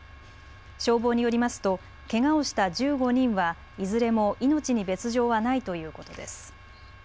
消防によりますとけがをした１５人はいずれも命に別状はないということです。